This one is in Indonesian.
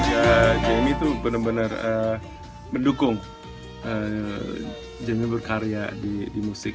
keluarga jemmy itu bener bener mendukung jemmy berkarya di musik